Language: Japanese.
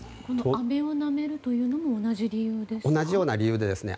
あめをなめるというのも同じ理由ですか？